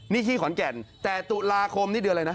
นี่ที่ขอนแก่นแต่ตุลาคมนี่เดือนอะไรนะ